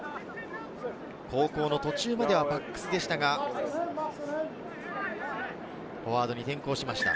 高校の途中までバックスでしたが、フォワードに転向しました。